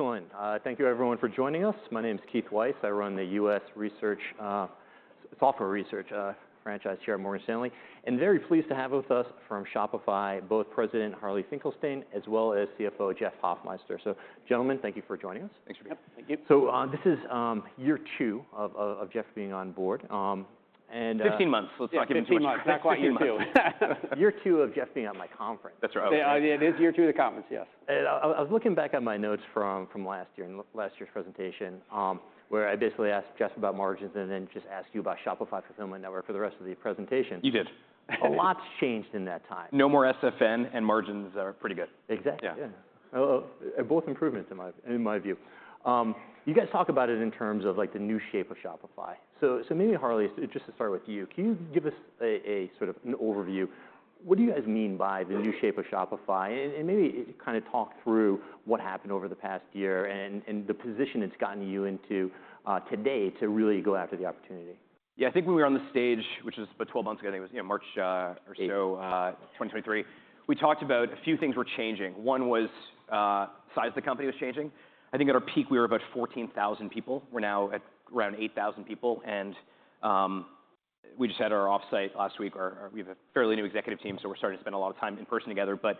Excellent. Thank you, everyone, for joining us. My name's Keith Weiss. I run the US. research, software research, franchise here at Morgan Stanley. And very pleased to have with us from Shopify both President Harley Finkelstein as well as CFO Jeff Hoffmeister. So, gentlemen, thank you for joining us. Thanks for being here. Yep, thank you. So, this is year two of Jeff being on board. and, 15 months. Let's talk even too much. 15 months. Not quite year two. Year two of Jeff being at my conference. That's right. Okay. Yeah, it is year two of the conference, yes. And I was looking back at my notes from last year and last year's presentation, where I basically asked Jeff about margins and then just asked you about Shopify Fulfillment Network for the rest of the presentation. You did. A lot's changed in that time. No more SFN, and margins are pretty good. Exactly. Yeah. Yeah. Both improvements in my view. You guys talk about it in terms of, like, the new shape of Shopify. So maybe, Harley, just to start with you, can you give us a sort of an overview? What do you guys mean by the new shape of Shopify? And maybe kinda talk through what happened over the past year and the position it's gotten you into today to really go after the opportunity. Yeah, I think when we were on the stage, which was about 12 months ago, I think it was, you know, March or so, 2023, we talked about a few things were changing. One was, size of the company was changing. I think at our peak we were about 14,000 people. We're now at around 8,000 people. And we just had our offsite last week. We have a fairly new executive team, so we're starting to spend a lot of time in person together. But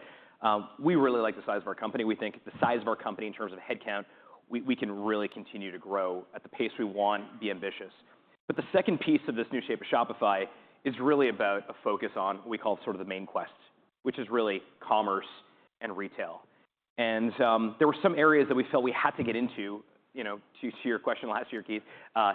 we really like the size of our company. We think the size of our company in terms of headcount, we can really continue to grow at the pace we want, be ambitious. But the second piece of this new shape of Shopify is really about a focus on what we call sort of the main quest, which is really commerce and retail. There were some areas that we felt we had to get into, you know, to, to your question last year, Keith,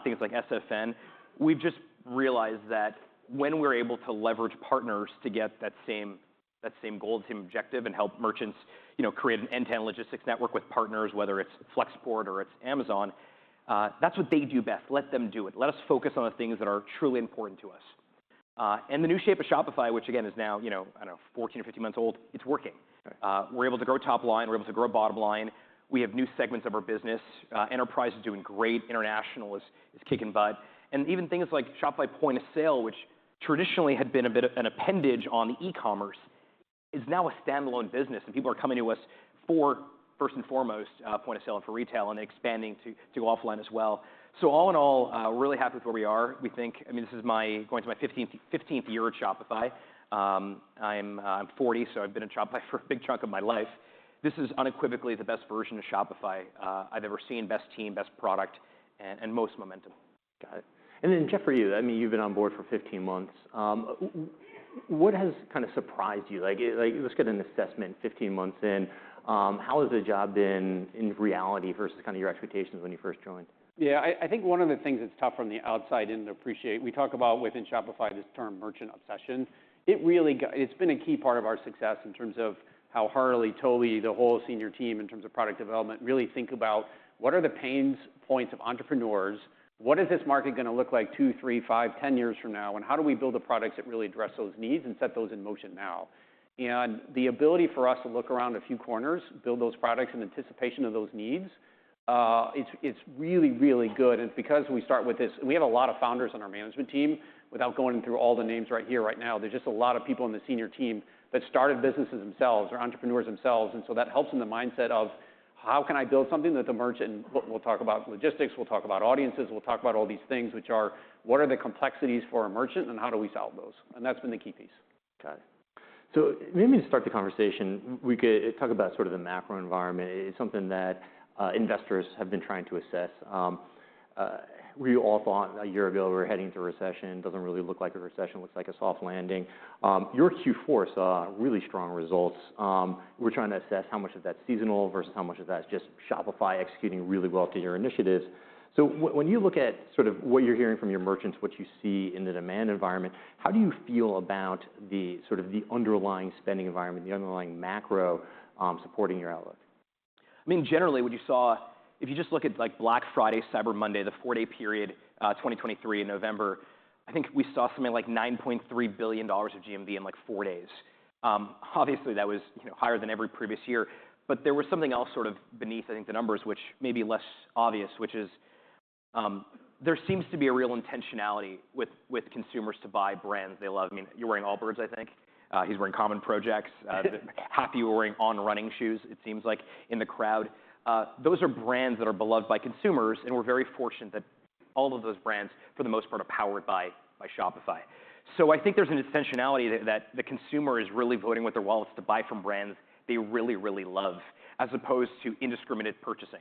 things like SFN. We've just realized that when we're able to leverage partners to get that same, that same goal, the same objective, and help merchants, you know, create an end-to-end logistics network with partners, whether it's Flexport or it's Amazon, that's what they do best. Let them do it. Let us focus on the things that are truly important to us. And the new shape of Shopify, which, again, is now, you know, I don't know, 14 or 15 months old, it's working. We're able to grow top line. We're able to grow bottom line. We have new segments of our business. Enterprise is doing great. International is kicking butt. Even things like Shopify Point of Sale, which traditionally had been a bit of an appendage on the e-commerce, is now a standalone business. And people are coming to us for, first and foremost, point of sale and for retail, and they're expanding to offline as well. So all in all, we're really happy with where we are. We think. I mean, this is my going to my 15th, 15th year at Shopify. I'm 40, so I've been at Shopify for a big chunk of my life. This is unequivocally the best version of Shopify I've ever seen, best team, best product, and most momentum. Got it. And then, Jeff, for you, I mean, you've been on board for 15 months. What has kinda surprised you? Like, I like, let's get an assessment. 15 months in, how has the job been in reality versus kinda your expectations when you first joined? Yeah, I, I think one of the things that's tough from the outside in to appreciate. We talk about within Shopify this term Merchant Obsession. It really, it's been a key part of our success in terms of how Harley, Tobi, the whole senior team in terms of product development really think about what are the pain points of entrepreneurs? What is this market gonna look like two, three, five, 10 years from now? And how do we build the products that really address those needs and set those in motion now? And the ability for us to look around a few corners, build those products in anticipation of those needs, it's, it's really, really good. And it's because we start with this: we have a lot of founders on our management team. Without going through all the names right here, right now, there's just a lot of people in the senior team that started businesses themselves or entrepreneurs themselves. And so that helps in the mindset of how can I build something that the merchant, we'll talk about logistics. We'll talk about audiences. We'll talk about all these things, which are what are the complexities for a merchant, and how do we solve those? And that's been the key piece. Got it. So maybe to start the conversation, we could talk about sort of the macro environment. It's something that investors have been trying to assess. We all thought a year ago we were heading into a recession. Doesn't really look like a recession. Looks like a soft landing. Your Q4 saw really strong results. We're trying to assess how much of that's seasonal versus how much of that's just Shopify executing really well to your initiatives. So when you look at sort of what you're hearing from your merchants, what you see in the demand environment, how do you feel about the sort of the underlying spending environment, the underlying macro, supporting your outlook? I mean, generally, what you saw if you just look at, like, Black Friday, Cyber Monday, the four-day period, 2023 in November, I think we saw something like $9.3 billion of GMV in, like, four days. Obviously, that was, you know, higher than every previous year. But there was something else sort of beneath, I think, the numbers, which may be less obvious, which is, there seems to be a real intentionality with, with consumers to buy brands they love. I mean, you're wearing Allbirds, I think. He's wearing Common Projects. Happy were wearing On Running shoes, it seems like, in the crowd. Those are brands that are beloved by consumers. And we're very fortunate that all of those brands, for the most part, are powered by, by Shopify. So I think there's an intentionality that, that the consumer is really voting with their wallets to buy from brands they really, really love, as opposed to indiscriminate purchasing.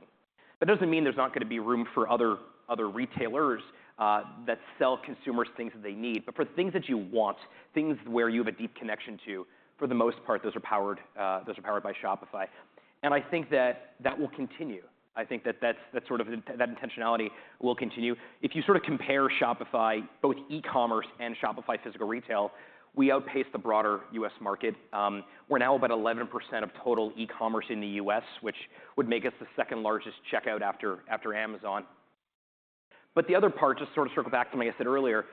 That doesn't mean there's not gonna be room for other, other retailers, that sell consumers things that they need. But for the things that you want, things where you have a deep connection to, for the most part, those are powered, those are powered by Shopify. And I think that that will continue. I think that that's, that's sort of in that intentionality will continue. If you sort of compare Shopify, both e-commerce and Shopify physical retail, we outpace the broader US. market. We're now about 11% of total e-commerce in the US., which would make us the second-largest checkout after, after Amazon. But the other part, just to sort of circle back to something I said earlier,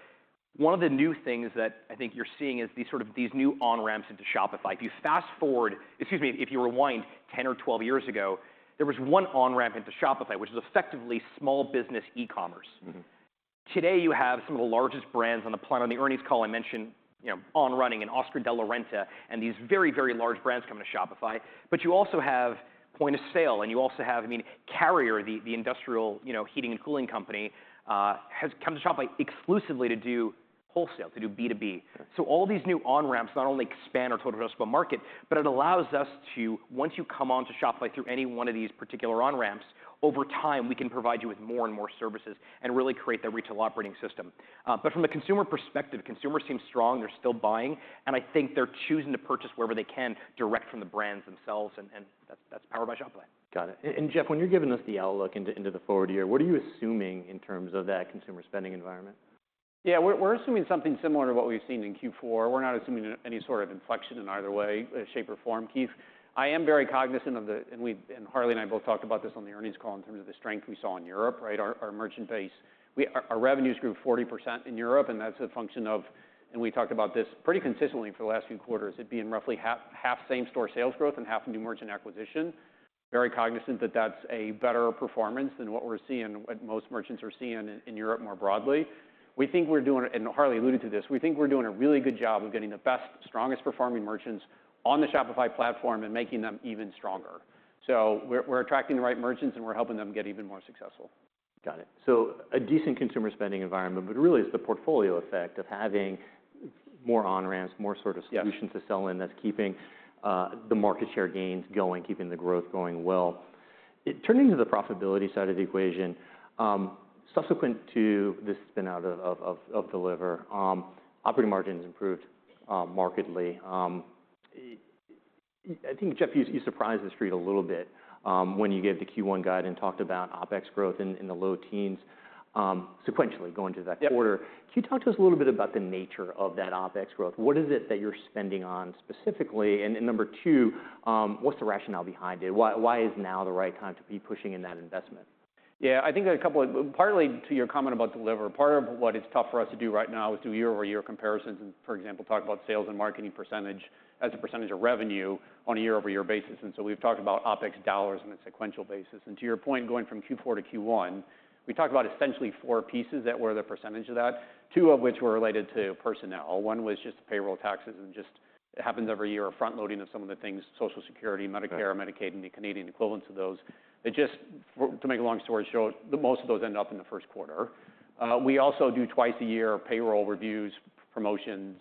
one of the new things that I think you're seeing is these sort of new on-ramps into Shopify. If you fast-forward excuse me, if you rewind 10 or 12 years ago, there was one on-ramp into Shopify, which was effectively small business e-commerce. Mm-hmm. Today, you have some of the largest brands on the planet on the earnings call I mentioned, you know, On Running and Oscar de la Renta and these very, very large brands coming to Shopify. But you also have Point of Sale. And you also have, I mean, Carrier, the industrial, you know, heating and cooling company, has come to Shopify exclusively to do wholesale, to do B2B. So all these new on-ramps not only expand our total addressable market, but it allows us to once you come onto Shopify through any one of these particular on-ramps, over time, we can provide you with more and more services and really create that retail operating system. But from a consumer perspective, consumers seem strong. They're still buying. And, and that's, that's powered by Shopify. Got it. And, Jeff, when you're giving us the outlook into the forward year, what are you assuming in terms of that consumer spending environment? Yeah, we're assuming something similar to what we've seen in Q4. We're not assuming any sort of inflection in either way, shape or form, Keith. I am very cognizant, and we and Harley and I both talked about this on the earnings call in terms of the strength we saw in Europe, right, our merchant base. Our revenues grew 40% in Europe. And that's a function of, and we talked about this pretty consistently for the last few quarters, it being roughly half, half same-store sales growth and half new merchant acquisition. Very cognizant that that's a better performance than what we're seeing, what most merchants are seeing in Europe more broadly. We think we're doing, and Harley alluded to this. We think we're doing a really good job of getting the best, strongest performing merchants on the Shopify platform and making them even stronger. So we're attracting the right merchants, and we're helping them get even more successful. Got it. So a decent consumer spending environment, but really, it's the portfolio effect of having more on-ramps, more sort of solutions to sell in that's keeping the market share gains going, keeping the growth going well. Turning to the profitability side of the equation, subsequent to this spin-out of Deliverr, operating margins improved markedly. I think, Jeff, you surprised the street a little bit, when you gave the Q1 guide and talked about OpEx growth in the low teens, sequentially going into that quarter. Yeah. Can you talk to us a little bit about the nature of that OpEx growth? What is it that you're spending on specifically? And, and number two, what's the rationale behind it? Why, why is now the right time to be pushing in that investment? Yeah, I think a couple of partly to your comment about delivery. Part of what it's tough for us to do right now is do year-over-year comparisons and, for example, talk about sales and marketing percentage as a percentage of revenue on a year-over-year basis. And so we've talked about OpEx dollars on a sequential basis. And to your point, going from Q4 to Q1, we talked about essentially four pieces that were the percentage of that, two of which were related to personnel. One was just the payroll taxes and just it happens every year, front-loading of some of the things: Social Security, Medicare, Medicaid, and the Canadian equivalents of those. It just for to make a long story short, the most of those end up in the first quarter. We also do twice a year payroll reviews, promotions,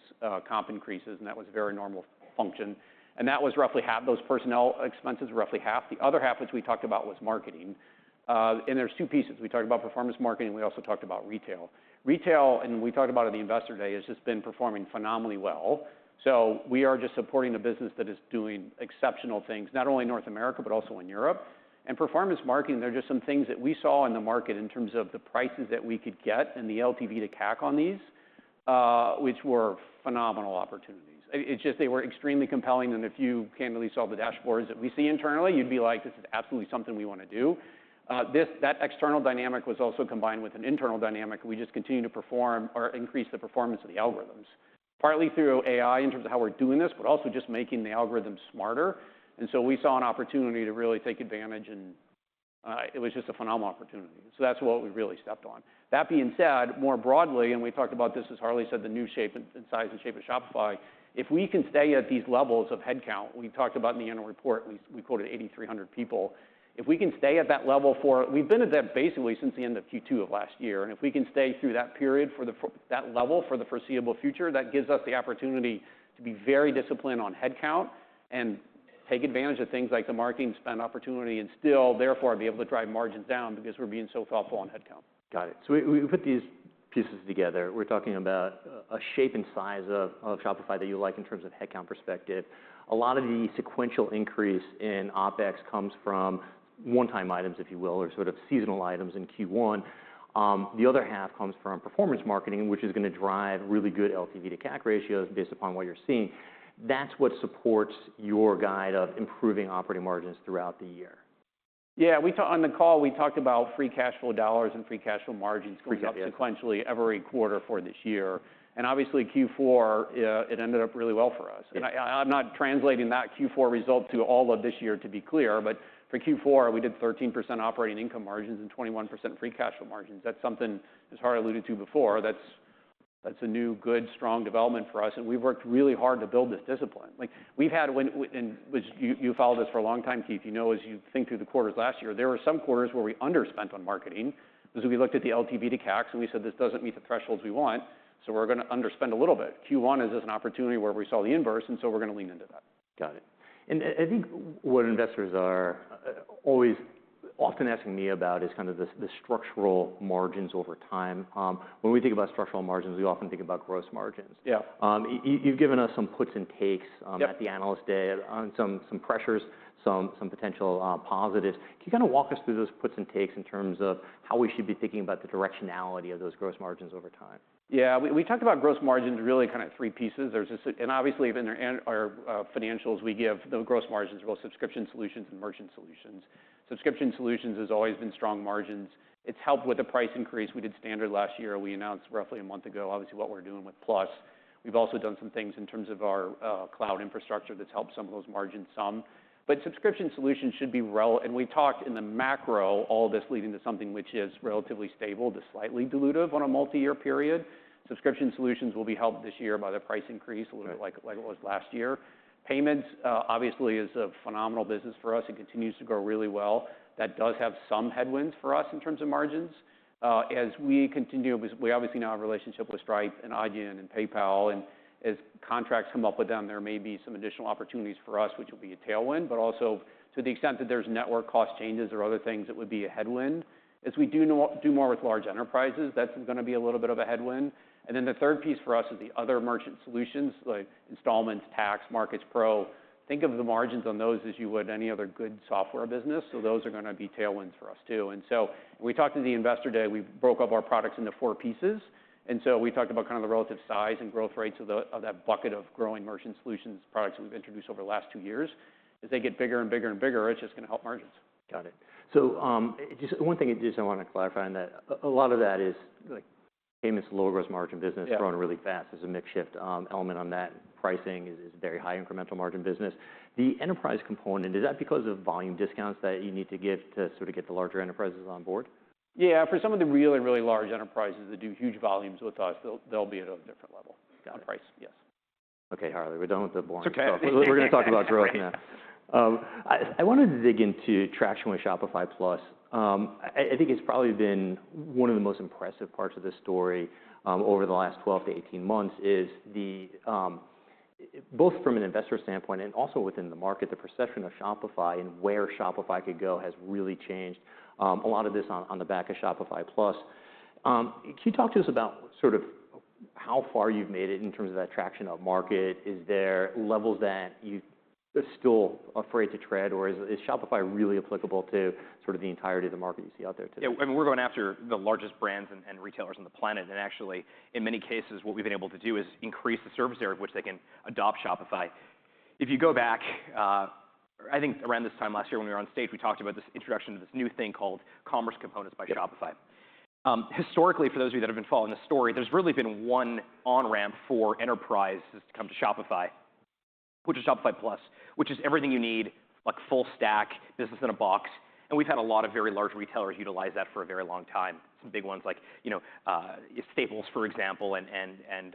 comp increases. And that was a very normal function. That was roughly half those personnel expenses, roughly half. The other half, which we talked about, was marketing. And there's two pieces. We talked about performance marketing. We also talked about retail. Retail, and we talked about it the Investor Day, has just been performing phenomenally well. So we are just supporting a business that is doing exceptional things, not only in North America but also in Europe. And performance marketing, there are just some things that we saw in the market in terms of the prices that we could get and the LTV to CAC on these, which were phenomenal opportunities. I-it's just they were extremely compelling. And if you candidly saw the dashboards that we see internally, you'd be like, "This is absolutely something we wanna do." This, that external dynamic was also combined with an internal dynamic. We just continue to perform or increase the performance of the algorithms, partly through AI in terms of how we're doing this, but also just making the algorithms smarter. And so we saw an opportunity to really take advantage. And it was just a phenomenal opportunity. So that's what we really stepped on. That being said, more broadly, and we talked about this, as Harley said, the new shape and size and shape of Shopify, if we can stay at these levels of headcount we talked about in the annual report. We quoted 8,300 people. If we can stay at that level, for we've been at that basically since the end of Q2 of last year. And if we can stay through that period for the FCF at that level for the foreseeable future, that gives us the opportunity to be very disciplined on headcount and take advantage of things like the marketing spend opportunity and still, therefore, be able to drive margins down because we're being so thoughtful on headcount. Got it. So we put these pieces together. We're talking about a shape and size of Shopify that you like in terms of headcount perspective. A lot of the sequential increase in OpEx comes from one-time items, if you will, or sort of seasonal items in Q1. The other half comes from performance marketing, which is gonna drive really good LTV to CAC ratios based upon what you're seeing. That's what supports your guide of improving operating margins throughout the year. Yeah, we talked on the call, we talked about free cash flow dollars and free cash flow margins going up sequentially every quarter for this year. And obviously, Q4, it ended up really well for us. Yeah. I'm not translating that Q4 result to all of this year, to be clear. But for Q4, we did 13% operating income margins and 21% free cash flow margins. That's something, as Harley alluded to before, that's a new, good, strong development for us. And we've worked really hard to build this discipline. Like, we've had, when you followed this for a long time, Keith, you know, as you think through the quarters last year, there were some quarters where we underspent on marketing because we looked at the LTV to CACs, and we said, "This doesn't meet the thresholds we want. So we're gonna underspend a little bit." Q1 is just an opportunity where we saw the inverse. And so we're gonna lean into that. Got it. And I think what investors are always often asking me about is kind of this structural margins over time. When we think about structural margins, we often think about gross margins. Yeah. You've given us some puts and takes, at the analyst day on some pressures, some potential positives. Can you kinda walk us through those puts and takes in terms of how we should be thinking about the directionality of those gross margins over time? Yeah, we talked about gross margins really kinda three pieces. There's obviously, in our financials, we give the gross margins are both subscription solutions and merchant solutions. Subscription solutions has always been strong margins. It's helped with the price increase. We did standard last year. We announced roughly a month ago, obviously, what we're doing with Plus. We've also done some things in terms of our cloud infrastructure that's helped some of those margins. But subscription solutions should be, and we talked in the macro, all of this leading to something which is relatively stable to slightly dilutive on a multi-year period. Subscription solutions will be helped this year by the price increase, a little bit like it was last year. Payments, obviously, is a phenomenal business for us and continues to grow really well. That does have some headwinds for us in terms of margins, as we continue, we obviously now have a relationship with Stripe and Adyen and PayPal. And as contracts come up with them, there may be some additional opportunities for us, which will be a tailwind. But also, to the extent that there's network cost changes or other things, it would be a headwind. As we do more, do more with large enterprises, that's gonna be a little bit of a headwind. And then the third piece for us is the other merchant solutions, like installments, tax, Markets Pro. Think of the margins on those as you would any other good software business. So those are gonna be tailwinds for us too. And so when we talked to the investor day, we broke up our products into four pieces. So we talked about kinda the relative size and growth rates of that bucket of growing merchant solutions, products that we've introduced over the last two years. As they get bigger and bigger and bigger, it's just gonna help margins. Got it. So, it just one thing I just wanna clarify on that. A lot of that is, like, payments, lower gross margin business growing really fast is a makeshift element on that. Pricing is very high incremental margin business. The enterprise component, is that because of volume discounts that you need to give to sort of get the larger enterprises on board? Yeah, for some of the real and really large enterprises that do huge volumes with us, they'll, they'll be at a different level on price. Got it. Yes. Okay, Harley. We're done with the boring stuff. Okay. We're gonna talk about growth now. I wanna dig into traction with Shopify Plus. I think it's probably been one of the most impressive parts of this story, over the last 12-18 months is the, I both from an investor standpoint and also within the market, the perception of Shopify and where Shopify could go has really changed, a lot of this on the back of Shopify Plus. Can you talk to us about sort of how far you've made it in terms of that traction of market? Is there levels that you're still afraid to tread? Or is Shopify really applicable to sort of the entirety of the market you see out there today? Yeah, I mean, we're going after the largest brands and retailers on the planet. And actually, in many cases, what we've been able to do is increase the service area of which they can adopt Shopify. If you go back, I think around this time last year when we were on stage, we talked about this introduction of this new thing called Commerce Components by Shopify. Historically, for those of you that have been following the story, there's really been one on-ramp for enterprises to come to Shopify, which is Shopify Plus, which is everything you need, like full stack, business in a box. We've had a lot of very large retailers utilize that for a very long time, some big ones like, you know, Staples, for example, and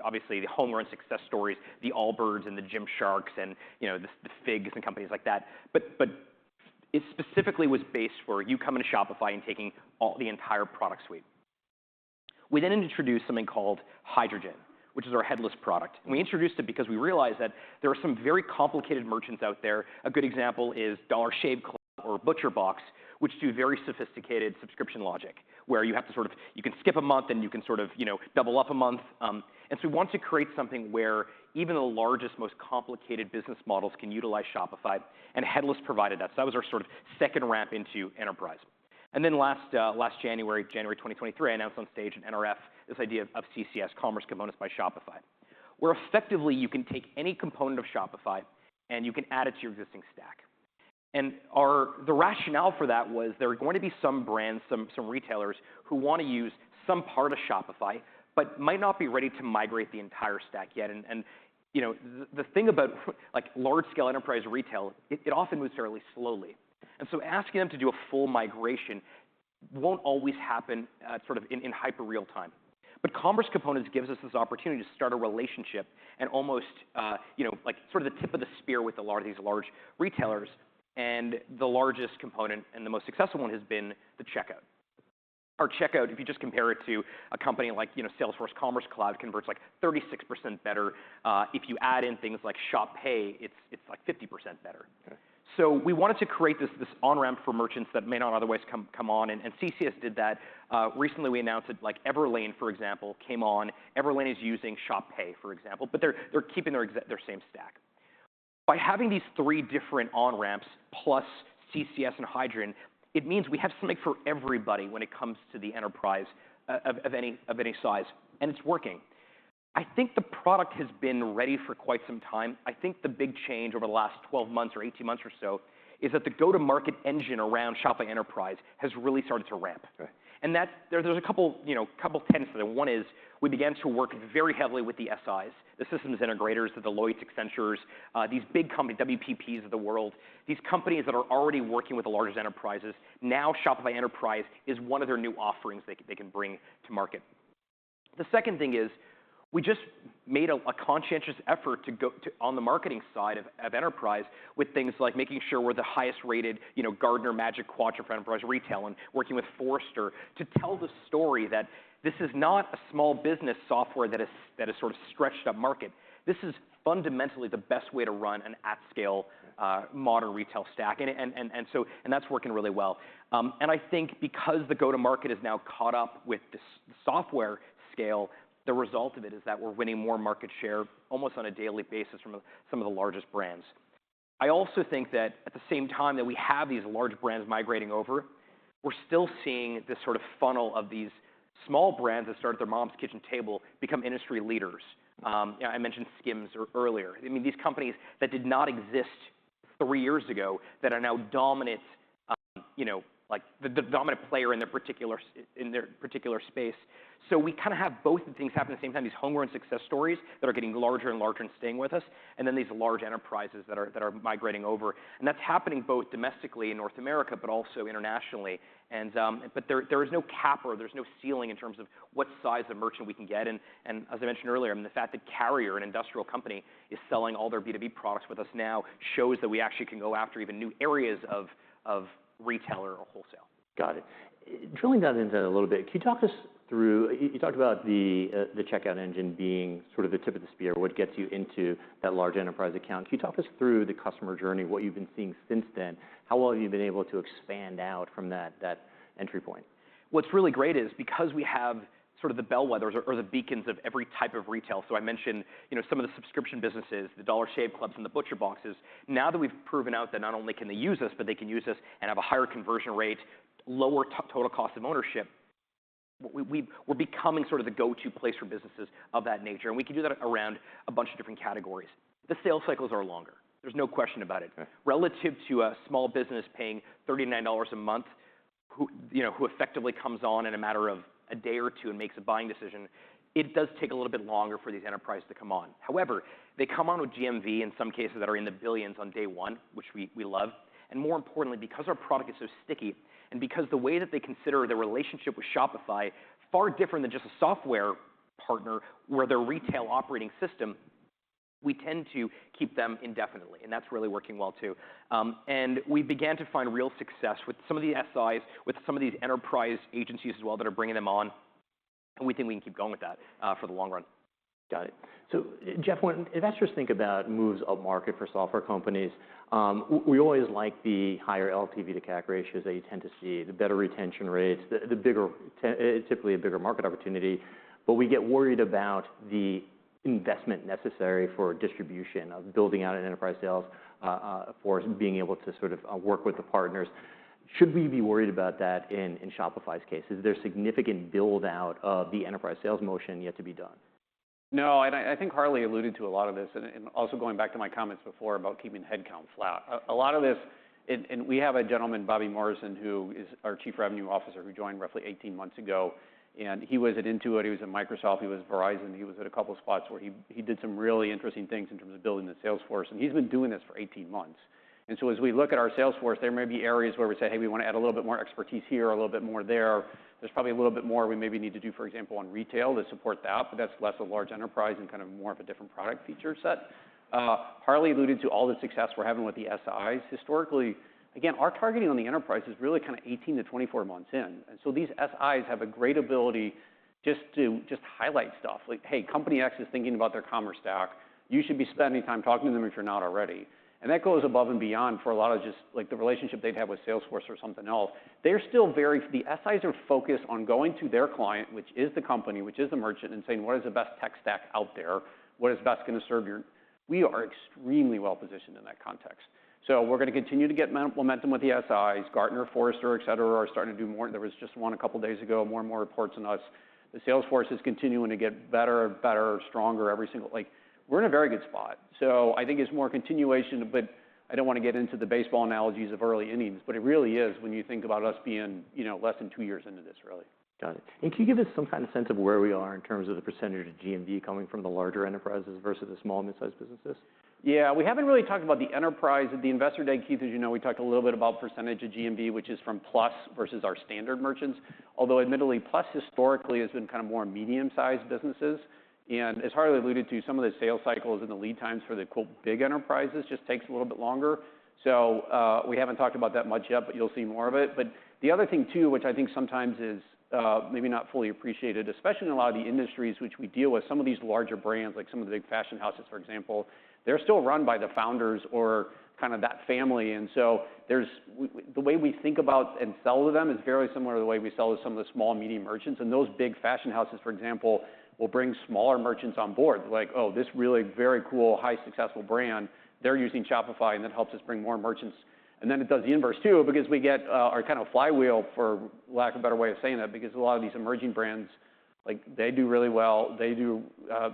obviously, the Homegrown Success Stories, the Allbirds and the Gymshark and, you know, the FIGS and companies like that. But it specifically was based for you coming to Shopify and taking all the entire product suite. We then introduced something called Hydrogen, which is our headless product. And we introduced it because we realized that there are some very complicated merchants out there. A good example is Dollar Shave Club or ButcherBox, which do very sophisticated subscription logic where you have to sort of you can skip a month, and you can sort of, you know, double up a month. And so we wanted to create something where even the largest, most complicated business models can utilize Shopify and headless provided that. So that was our sort of second ramp into enterprise. And then last January, January 2023, I announced on stage at NRF this idea of CCS, Commerce Components by Shopify, where effectively, you can take any component of Shopify, and you can add it to your existing stack. And the rationale for that was there are going to be some brands, some retailers who wanna use some part of Shopify but might not be ready to migrate the entire stack yet. And, you know, the thing about, like, large-scale enterprise retail, it often moves fairly slowly. And so asking them to do a full migration won't always happen, sort of in hyper-real time. But commerce components gives us this opportunity to start a relationship and almost, you know, like sort of the tip of the spear with a lot of these large retailers. And the largest component and the most successful one has been the checkout. Our checkout, if you just compare it to a company like, you know, Salesforce Commerce Cloud, converts like 36% better. If you add in things like Shop Pay, it's, it's like 50% better. Okay. So we wanted to create this on-ramp for merchants that may not otherwise come on. And CCS did that. Recently, we announced, like, Everlane, for example, came on. Everlane is using Shop Pay, for example. But they're keeping their same stack. By having these three different on-ramps plus CCS and Hydrogen, it means we have something for everybody when it comes to the enterprise of any size. And it's working. I think the product has been ready for quite some time. I think the big change over the last 12 months or 18 months or so is that the go-to-market engine around Shopify Enterprise has really started to ramp. Okay. That's there. There's a couple, you know, couple tendencies there. One is we began to work very heavily with the SIs, the systems integrators, the Deloitte, Accenture, these big companies, WPPs of the world, these companies that are already working with the largest enterprises. Now, Shopify Enterprise is one of their new offerings they can bring to market. The second thing is we just made a conscientious effort to go to on the marketing side of enterprise with things like making sure we're the highest-rated, you know, Gartner Magic Quadrant enterprise retail and working with Forrester to tell the story that this is not a small business software that has sort of stretched up market. This is fundamentally the best way to run an at-scale, modern retail stack. And so that's working really well. I think because the go-to-market is now caught up with the software scale, the result of it is that we're winning more market share almost on a daily basis from some of the largest brands. I also think that at the same time that we have these large brands migrating over, we're still seeing this sort of funnel of these small brands that start at their mom's kitchen table become industry leaders. You know, I mentioned SKIMS earlier. I mean, these companies that did not exist three years ago that are now dominant, you know, like the dominant player in their particular space. So we kinda have both of the things happen at the same time, these homegrown success stories that are getting larger and larger and staying with us, and then these large enterprises that are migrating over. That's happening both domestically in North America but also internationally. But there, there is no cap, or there's no ceiling in terms of what size of merchant we can get. As I mentioned earlier, I mean, the fact that Carrier, an industrial company, is selling all their B2B products with us now shows that we actually can go after even new areas of retailer or wholesale. Got it. I'm drilling down into that a little bit. Can you talk us through. You talked about the checkout engine being sort of the tip of the spear or what gets you into that large enterprise account. Can you talk us through the customer journey, what you've been seeing since then? How well have you been able to expand out from that entry point? What's really great is because we have sort of the bellwethers or, or the beacons of every type of retail so I mentioned, you know, some of the subscription businesses, the Dollar Shave Club and the ButcherBox. Now that we've proven out that not only can they use us, but they can use us and have a higher conversion rate, lower total cost of ownership, we, we're becoming sort of the go-to place for businesses of that nature. And we can do that around a bunch of different categories. The sales cycles are longer. There's no question about it. Okay. Relative to a small business paying $39 a month who, you know, who effectively comes on in a matter of a day or two and makes a buying decision, it does take a little bit longer for these enterprises to come on. However, they come on with GMV in some cases that are in the billions on day one, which we, we love. And more importantly, because our product is so sticky and because the way that they consider their relationship with Shopify far different than just a software partner or their retail operating system, we tend to keep them indefinitely. And that's really working well too. And we began to find real success with some of the SIs, with some of these enterprise agencies as well that are bringing them on. And we think we can keep going with that, for the long run. Got it. So Jeff, when investors think about moves up market for software companies, we always like the higher LTV to CAC ratios that you tend to see, the better retention rates, the bigger, then it's typically a bigger market opportunity. But we get worried about the investment necessary for distribution of building out an enterprise sales, for us being able to sort of work with the partners. Should we be worried about that in Shopify's case? Is there significant build-out of the enterprise sales motion yet to be done? No, and I think Harley alluded to a lot of this. And also going back to my comments before about keeping headcount flat, a lot of this, and we have a gentleman, Bobby Morrison, who is our Chief Revenue Officer who joined roughly 18 months ago. And he was at Intuit. He was at Microsoft. He was at Verizon. He was at a couple of spots where he did some really interesting things in terms of building the sales force. And he's been doing this for 18 months. And so as we look at our sales force, there may be areas where we say, "Hey, we wanna add a little bit more expertise here, a little bit more there. There's probably a little bit more we maybe need to do, for example, on retail to support that." But that's less a large enterprise and kind of more of a different product feature set. Harley alluded to all the success we're having with the SIs historically. Again, our targeting on the enterprise is really kinda 18-24 months in. And so these SIs have a great ability just to highlight stuff like, "Hey, Company X is thinking about their commerce stack. You should be spending time talking to them if you're not already." And that goes above and beyond for a lot of just, like, the relationship they'd have with Salesforce or something else. They're still very the SIs are focused on going to their client, which is the company, which is the merchant, and saying, "What is the best tech stack out there? What is best gonna serve your?" We are extremely well-positioned in that context. So we're gonna continue to get momentum with the SIs. Gartner, Forrester, etc., are starting to do more. There was just one a couple of days ago, more and more reports on us. The Salesforce is continuing to get better and better, stronger every single like, we're in a very good spot. So I think it's more continuation, but I don't wanna get into the baseball analogies of early innings. But it really is when you think about us being, you know, less than two years into this really. Got it. Can you give us some kinda sense of where we are in terms of the percentage of GMV coming from the larger enterprises versus the small and mid-sized businesses? Yeah, we haven't really talked about the enterprise. At the Investor Day, Keith, as you know, we talked a little bit about percentage of GMV, which is from Plus versus our standard merchants. Although admittedly, Plus historically has been kinda more medium-sized businesses. As Harley alluded to, some of the sales cycles and the lead times for the, quote, "big enterprises" just takes a little bit longer. We haven't talked about that much yet, but you'll see more of it. The other thing too, which I think sometimes is, maybe not fully appreciated, especially in a lot of the industries which we deal with, some of these larger brands, like some of the big fashion houses, for example, they're still run by the founders or kinda that family. And so, the way we think about and sell to them is very similar to the way we sell to some of the small and medium merchants. And those big fashion houses, for example, will bring smaller merchants on board like, "Oh, this really very cool, highly successful brand, they're using Shopify, and that helps us bring more merchants." And then it does the inverse too because we get our kinda flywheel for lack of a better way of saying that because a lot of these emerging brands, like, they do really well. They do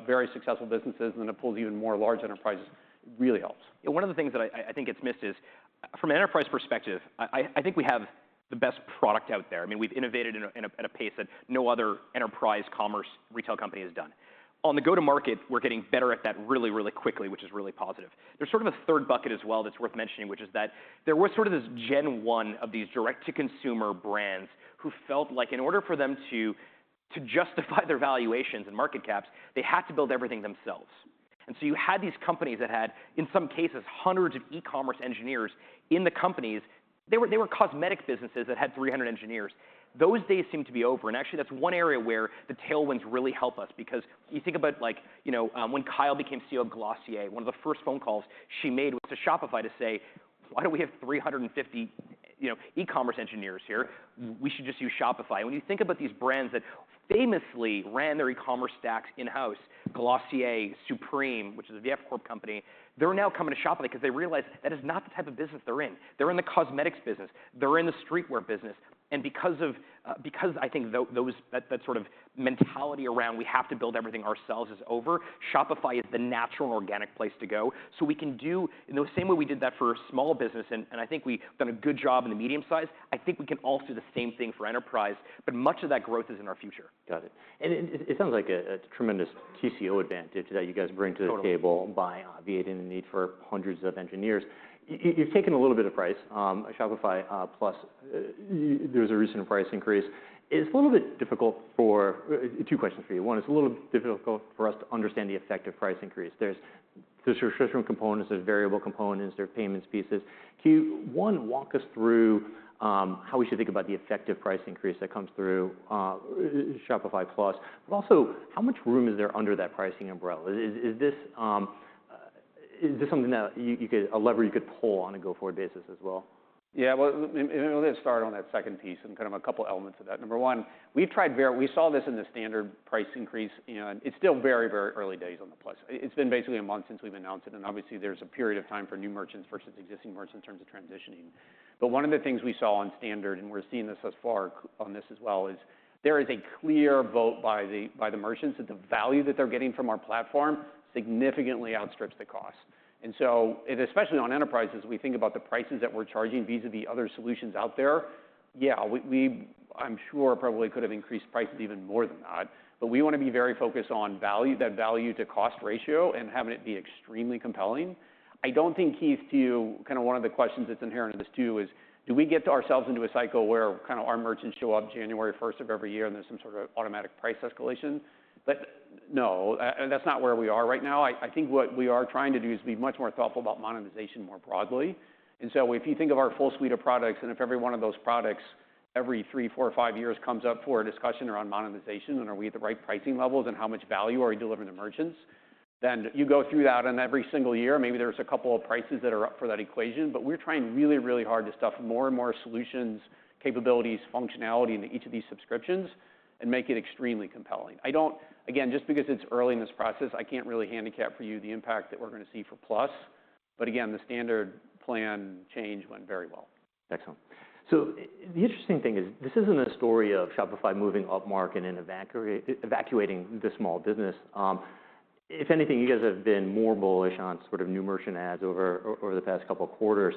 very successful businesses. And then it pulls even more large enterprises. It really helps. Yeah, one of the things that I think gets missed is, from an enterprise perspective, I think we have the best product out there. I mean, we've innovated at a pace that no other enterprise commerce retail company has done. On the go-to-market, we're getting better at that really, really quickly, which is really positive. There's sort of a third bucket as well that's worth mentioning, which is that there was sort of this Gen 1 of these direct-to-consumer brands who felt like in order for them to justify their valuations and market caps, they had to build everything themselves. And so you had these companies that had, in some cases, hundreds of e-commerce engineers in the companies. They were cosmetic businesses that had 300 engineers. Those days seem to be over. Actually, that's one area where the tailwinds really help us because you think about, like, you know, when Kyle became CEO of Glossier, one of the first phone calls she made was to Shopify to say, "Why don't we have 350, you know, e-commerce engineers here? We should just use Shopify." And when you think about these brands that famously ran their e-commerce stacks in-house, Glossier, Supreme, which is a VF Corp company, they're now coming to Shopify 'cause they realize that is not the type of business they're in. They're in the cosmetics business. They're in the streetwear business. And because of, because I think those that sort of mentality around we have to build everything ourselves is over, Shopify is the natural and organic place to go. So we can do in the same way we did that for small business, and I think we've done a good job in the medium size. I think we can also do the same thing for enterprise. But much of that growth is in our future. Got it. And it sounds like a tremendous TCO advantage that you guys bring to the table. Totally. By obviating the need for hundreds of engineers. You've taken a little bit of pricing, Shopify Plus. Yeah, there was a recent price increase. It's a little bit difficult. Two questions for you. One, it's a little bit difficult for us to understand the effect of price increase. There's the subscription components. There's variable components. There are payments pieces. Can you, one, walk us through how we should think about the effect of price increase that comes through Shopify Plus, but also how much room is there under that pricing umbrella? Is this something that you could pull a lever on a go-forward basis as well? Yeah, well, let me start on that second piece and kind of a couple elements of that. Number one, we saw this in the standard price increase, you know, and it's still very, very early days on the Plus. It's been basically a month since we've announced it. And obviously, there's a period of time for new merchants versus existing merchants in terms of transitioning. But one of the things we saw on standard and we're seeing this thus far on this as well is there is a clear vote by the merchants that the value that they're getting from our platform significantly outstrips the cost. And so it especially on enterprises, we think about the prices that we're charging vis-à-vis other solutions out there. Yeah, I'm sure probably could have increased prices even more than that. But we wanna be very focused on value that value-to-cost ratio and having it be extremely compelling. I don't think, Keith, to you, kinda one of the questions that's inherent to this too is, do we get ourselves into a cycle where kinda our merchants show up January 1st of every year, and there's some sort of automatic price escalation? But no, that's not where we are right now. I, I think what we are trying to do is be much more thoughtful about monetization more broadly. And so if you think of our full suite of products and if every one of those products every three, four, or five years comes up for a discussion around monetization, and are we at the right pricing levels, and how much value are we delivering to merchants, then you go through that. And every single year, maybe there's a couple of prices that are up for that equation. But we're trying really, really hard to stuff more and more solutions, capabilities, functionality into each of these subscriptions and make it extremely compelling. I don't, again, just because it's early in this process, I can't really handicap for you the impact that we're gonna see for Plus. But again, the standard plan change went very well. Excellent. So the interesting thing is this isn't a story of Shopify moving up market and evacuating the small business. If anything, you guys have been more bullish on sort of new merchant ads over the past couple of quarters.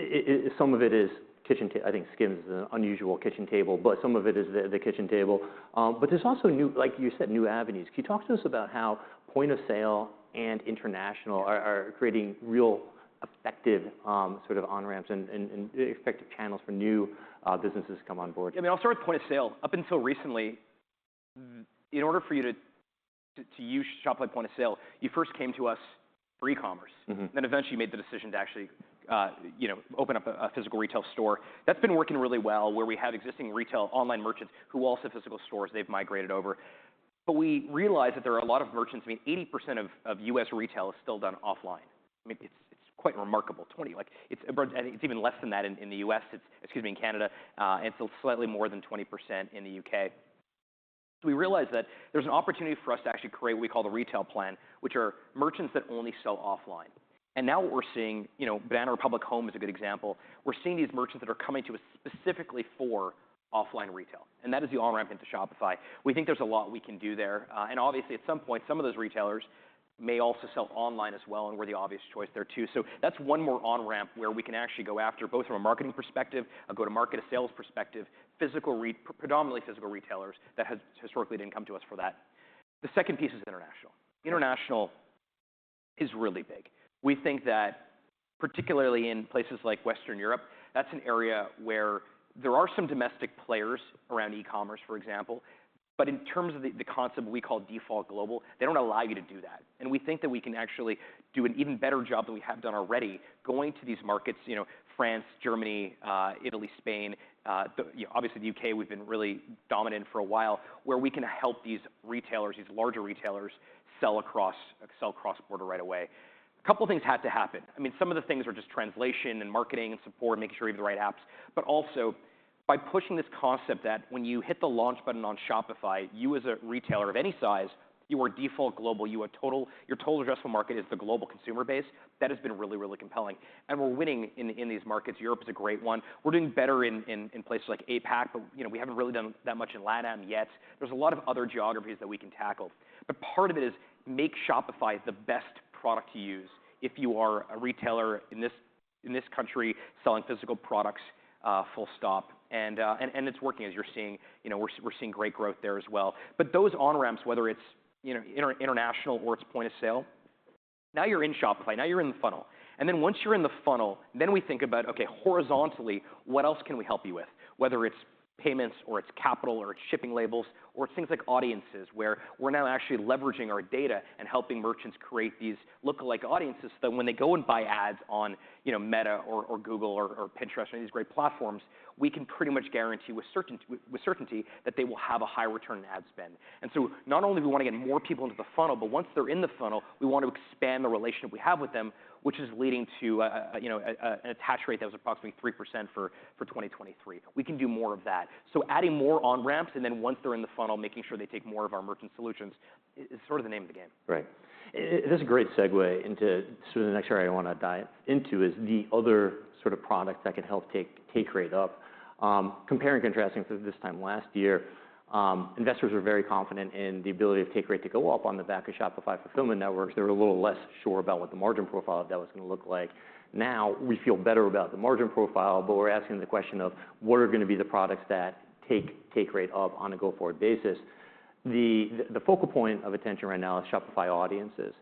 It, it some of it is kitchen table. I think SKIMS is an unusual kitchen table, but some of it is the kitchen table. But there's also new like you said, new avenues. Can you talk to us about how point of sale and international are creating real effective, sort of on-ramps and effective channels for new businesses to come on board? Yeah, I mean, I'll start with point of sale. Up until recently, in order for you to use Shopify Point-of-Sale, you first came to us for e-commerce. Mm-hmm. And then eventually, you made the decision to actually, you know, open up a physical retail store. That's been working really well where we have existing retail online merchants who also have physical stores. They've migrated over. But we realize that there are a lot of merchants. I mean, 80% of US. retail is still done offline. I mean, it's quite remarkable, 20%. Like, it's a bit and it's even less than that in the US. It's excuse me, in Canada. And it's a little slightly more than 20% in the U.K. So we realized that there's an opportunity for us to actually create what we call the retail plan, which are merchants that only sell offline. And now what we're seeing, you know, Banana Republic Home is a good example. We're seeing these merchants that are coming to us specifically for offline retail. And that is the on-ramp into Shopify. We think there's a lot we can do there. And obviously, at some point, some of those retailers may also sell online as well and we're the obvious choice there too. So that's one more on-ramp where we can actually go after both from a marketing perspective, a go-to-market, a sales perspective, physical predominantly physical retailers that has historically didn't come to us for that. The second piece is international. International is really big. We think that particularly in places like Western Europe, that's an area where there are some domestic players around e-commerce, for example. But in terms of the, the concept we call Default Global, they don't allow you to do that. We think that we can actually do an even better job than we have done already going to these markets, you know, France, Germany, Italy, Spain, you know, obviously the UK, where we've been really dominant for a while, where we can help these retailers, these larger retailers, sell cross-border right away. A couple of things had to happen. I mean, some of the things are just translation and marketing and support and making sure you have the right apps. But also by pushing this concept that when you hit the launch button on Shopify, you as a retailer of any size, you are default global. Your total addressable market is the global consumer base. That has been really, really compelling. And we're winning in these markets. Europe is a great one. We're doing better in places like APAC. But, you know, we haven't really done that much in LATAM yet. There's a lot of other geographies that we can tackle. But part of it is make Shopify the best product to use if you are a retailer in this country selling physical products, full stop. And it's working as you're seeing. You know, we're seeing great growth there as well. But those on-ramps, whether it's, you know, international or it's point of sale, now you're in Shopify. Now you're in the funnel. And then once you're in the funnel, then we think about, okay, horizontally, what else can we help you with, whether it's payments or it's capital or it's shipping labels or it's things like audiences where we're now actually leveraging our data and helping merchants create these lookalike audiences so that when they go and buy ads on, you know, Meta or, or Google or, or Pinterest or any of these great platforms, we can pretty much guarantee with certainty that they will have a high return on ad spend. And so not only do we wanna get more people into the funnel, but once they're in the funnel, we wanna expand the relationship we have with them, which is leading to a you know an attach rate that was approximately 3% for 2023. We can do more of that. So adding more on-ramps and then once they're in the funnel, making sure they take more of our merchant solutions is sort of the name of the game. Right. It is a great segue into sort of the next area I wanna dive into is the other sort of products that can help take rate up. Comparing and contrasting to this time last year, investors were very confident in the ability of take rate to go up on the back of Shopify Fulfillment Networks. They were a little less sure about what the margin profile of that was gonna look like. Now, we feel better about the margin profile, but we're asking the question of, what are gonna be the products that take rate up on a go-forward basis? The focal point of attention right now is Shopify Audiences.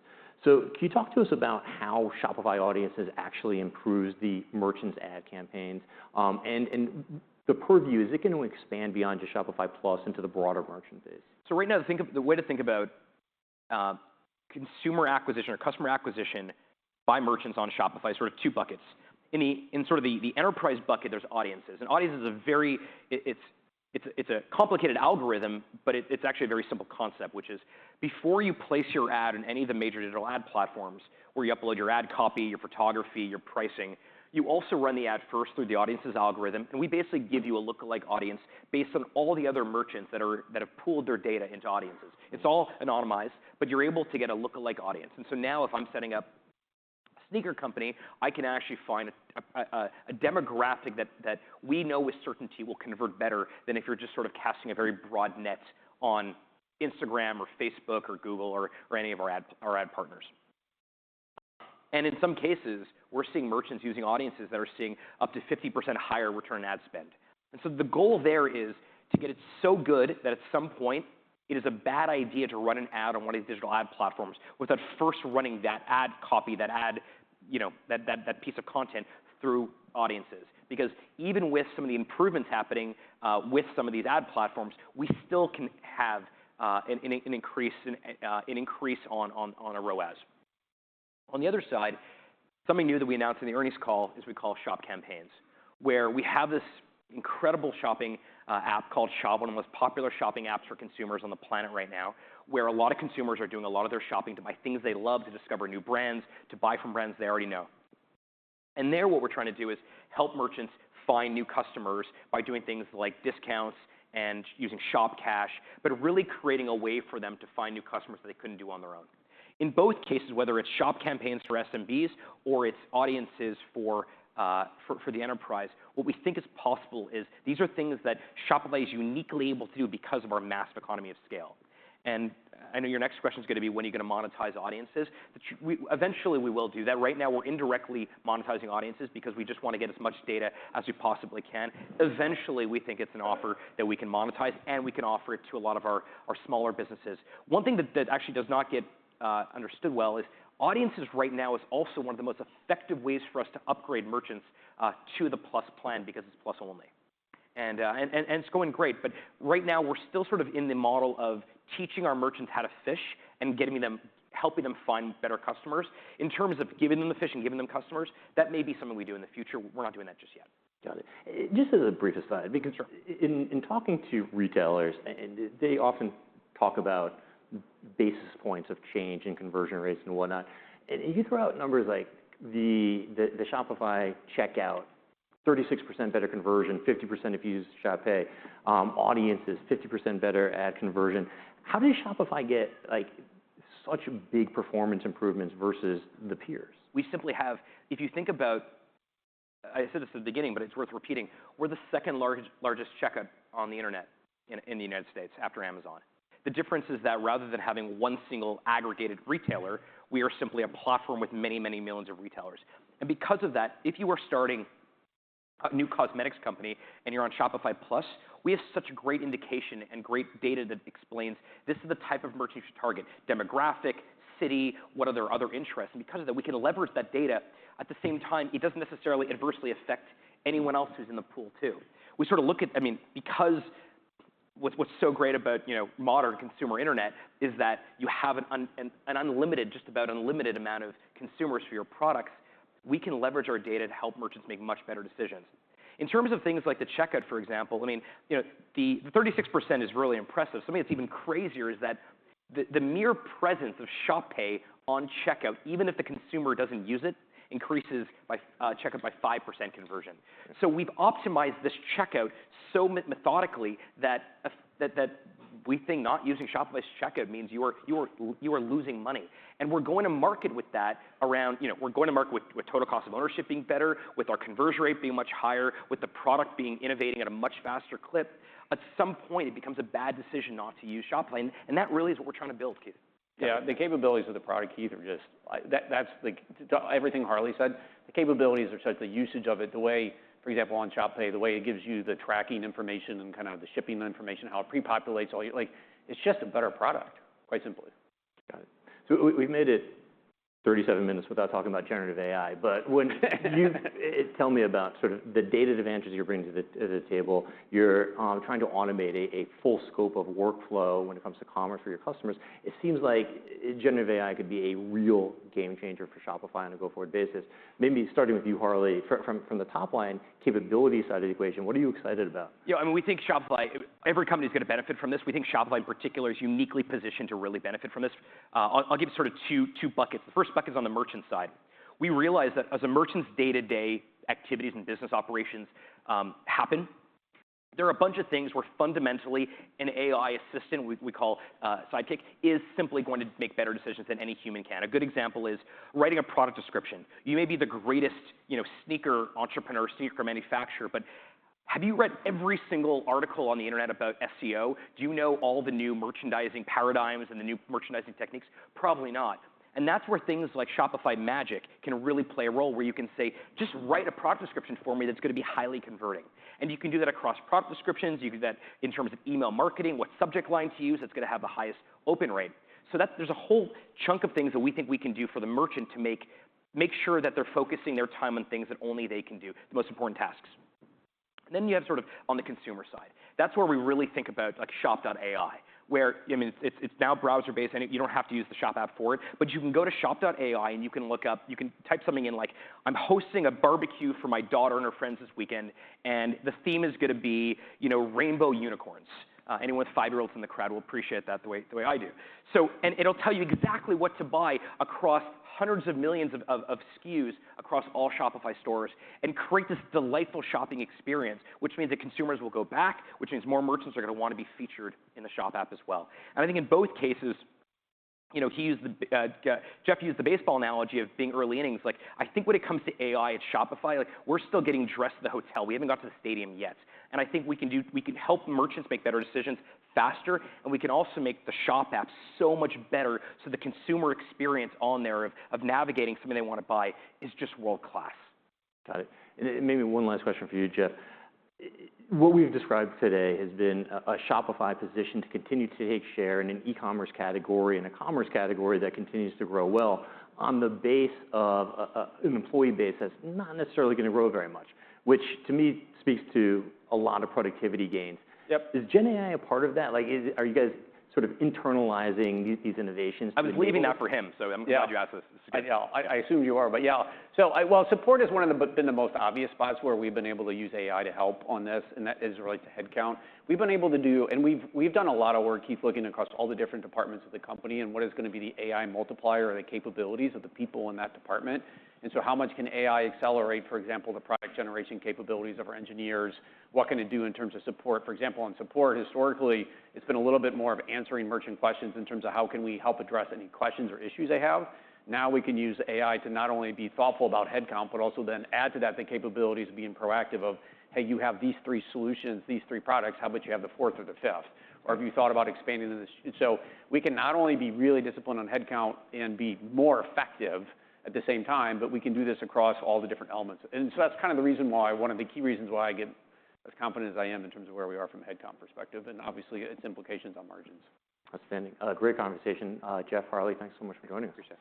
So can you talk to us about how Shopify Audiences actually improves the merchants' ad campaigns? And what the purview is, is it gonna expand beyond just Shopify Plus into the broader merchant base? So right now, think of the way to think about consumer acquisition or customer acquisition by merchants on Shopify is sort of two buckets. In sort of the enterprise bucket, there's Audiences. And Audiences are very it's a complicated algorithm, but it's actually a very simple concept, which is before you place your ad in any of the major digital ad platforms where you upload your ad copy, your photography, your pricing, you also run the ad first through the Audiences algorithm. And we basically give you a lookalike audience based on all the other merchants that have pooled their data into Audiences. It's all anonymized, but you're able to get a lookalike audience. And so now, if I'm setting up a sneaker company, I can actually find a demographic that we know with certainty will convert better than if you're just sort of casting a very broad net on Instagram or Facebook or Google or any of our ad partners. And in some cases, we're seeing merchants using audiences that are seeing up to 50% higher return on ad spend. And so the goal there is to get it so good that at some point, it is a bad idea to run an ad on one of these digital ad platforms without first running that ad copy, that ad, you know, that piece of content through audiences. Because even with some of the improvements happening, with some of these ad platforms, we still can have an increase in ROAS. On the other side, something new that we announced in the earnings call is what we call Shop Campaigns where we have this incredible shopping app called Shop, one of the most popular shopping apps for consumers on the planet right now where a lot of consumers are doing a lot of their shopping to buy things they love, to discover new brands, to buy from brands they already know. And there, what we're trying to do is help merchants find new customers by doing things like discounts and using Shop Cash, but really creating a way for them to find new customers that they couldn't do on their own. In both cases, whether it's Shop Campaigns for SMBs or it's Shopify Audiences for the enterprise, what we think is possible is these are things that Shopify is uniquely able to do because of our massive economy of scale. And I know your next question's gonna be, when are you gonna monetize Shopify Audiences? That, we eventually, we will do that. Right now, we're indirectly monetizing Shopify Audiences because we just wanna get as much data as we possibly can. Eventually, we think it's an offer that we can monetize, and we can offer it to a lot of our smaller businesses. One thing that actually does not get understood well is Shopify Audiences right now is also one of the most effective ways for us to upgrade merchants to Shopify Plus because it's Plus only. And it's going great. But right now, we're still sort of in the model of teaching our merchants how to fish and getting them helping them find better customers. In terms of giving them the fish and giving them customers, that may be something we do in the future. We're not doing that just yet. Got it. It just as a brief aside, because. Sure. In talking to retailers, and they often talk about basis points of change and conversion rates and whatnot. And you throw out numbers like the Shopify checkout, 36% better conversion, 50% if you use Shop Pay, audiences, 50% better ad conversion. How does Shopify get like such big performance improvements versus the peers? We simply have if you think about, I said this at the beginning, but it's worth repeating. We're the second largest checkout on the internet in the United States after Amazon. The difference is that rather than having one single aggregated retailer, we are simply a platform with many, many millions of retailers. And because of that, if you are starting a new cosmetics company and you're on Shopify Plus, we have such a great indication and great data that explains, "This is the type of merchant you should target: demographic, city, what are their other interests?" And because of that, we can leverage that data. At the same time, it doesn't necessarily adversely affect anyone else who's in the pool too. We sort of look at, I mean, because what's so great about, you know, modern consumer internet is that you have an unlimited, just about unlimited amount of consumers for your products. We can leverage our data to help merchants make much better decisions. In terms of things like the checkout, for example, I mean, you know, the 36% is really impressive. Something that's even crazier is that the mere presence of Shop Pay on checkout, even if the consumer doesn't use it, increases checkout by 5% conversion. So we've optimized this checkout so methodically that, that we think not using Shopify's checkout means you are losing money. We're going to market with that around, you know. We're going to market with total cost of ownership being better, with our conversion rate being much higher, with the product being innovating at a much faster clip. At some point, it becomes a bad decision not to use Shopify. And that really is what we're trying to build, Keith. Yeah. The capabilities of the product, Keith, are just like that. That's the key to everything Harley said. The capabilities are such the usage of it, the way for example, on Shop Pay, the way it gives you the tracking information and kind of the shipping information, how it prepopulates all your like, it's just a better product, quite simply. Got it. So we've made it 37 minutes without talking about generative AI. But when you have it, tell me about sort of the data advantages you're bringing to the table. You're trying to automate a full scope of workflow when it comes to commerce for your customers. It seems like generative AI could be a real game changer for Shopify on a go-forward basis. Maybe starting with you, Harley, from the top line, capability side of the equation, what are you excited about? Yeah. I mean, we think Shopify every company's gonna benefit from this. We think Shopify in particular is uniquely positioned to really benefit from this. I'll give sort of two, two buckets. The first bucket's on the merchant side. We realize that as a merchant's day-to-day activities and business operations happen, there are a bunch of things where fundamentally, an AI assistant we call Sidekick is simply going to make better decisions than any human can. A good example is writing a product description. You may be the greatest, you know, sneaker entrepreneur, sneaker manufacturer, but have you read every single article on the internet about SEO? Do you know all the new merchandising paradigms and the new merchandising techniques? Probably not. And that's where things like Shopify Magic can really play a role where you can say, "Just write a product description for me that's gonna be highly converting." And you can do that across product descriptions. You can do that in terms of email marketing, what subject line to use that's gonna have the highest open rate. So that there's a whole chunk of things that we think we can do for the merchant to make sure that they're focusing their time on things that only they can do, the most important tasks. And then you have sort of on the consumer side. That's where we really think about, like, shop AI where you I mean, it's now browser-based. I know you don't have to use the Shop App for it, but you can go to shop.ai, and you can look up, type something in like, "I'm hosting a barbecue for my daughter and her friends this weekend, and the theme is gonna be, you know, rainbow unicorns." Anyone with five-year-olds in the crowd will appreciate that the way I do. So, it'll tell you exactly what to buy across hundreds of millions of SKUs across all Shopify stores and create this delightful shopping experience, which means that consumers will go back, which means more merchants are gonna wanna be featured in the Shop App as well. And I think in both cases, you know, Jeff used the baseball analogy of being early innings. Like, I think when it comes to AI at Shopify, like, we're still getting dressed at the hotel. We haven't got to the stadium yet. And I think we can help merchants make better decisions faster, and we can also make the Shop App so much better so the consumer experience on there of navigating something they wanna buy is just world-class. Got it. And it may be one last question for you, Jeff. It what we've described today has been a Shopify position to continue to take share in an e-commerce category, in a commerce category that continues to grow well on the base of an employee base that's not necessarily gonna grow very much, which to me speaks to a lot of productivity gains. Yep. Is GenAI a part of that? Like, is you guys sort of internalizing these innovations to the. I was leaving that for him, so I'm glad you asked this. Yeah. It's good. Yeah. I assumed you were, but yeah. So well, support is one of the been the most obvious spots where we've been able to use AI to help on this, and that is related to headcount. We've been able to do and we've done a lot of work, Keith, looking across all the different departments of the company and what is gonna be the AI multiplier or the capabilities of the people in that department. And so how much can AI accelerate, for example, the product generation capabilities of our engineers? What can it do in terms of support? For example, on support, historically, it's been a little bit more of answering merchant questions in terms of how can we help address any questions or issues they have. Now, we can use AI to not only be thoughtful about headcount, but also then add to that the capabilities of being proactive of, "Hey, you have these three solutions, these three products. How about you have the fourth or the fifth? Or have you thought about expanding into this?" And so we can not only be really disciplined on headcount and be more effective at the same time, but we can do this across all the different elements. And so that's kind of the reason why one of the key reasons why I get as confident as I am in terms of where we are from a headcount perspective. And obviously, its implications on margins. Outstanding. Great conversation. Jeff, Harley, thanks so much for joining us. Thank you, sir.